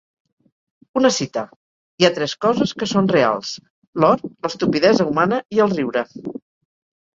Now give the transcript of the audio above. Una cita: hi ha tres coses que són reals: l'or, l'estupidesa humana i el riure.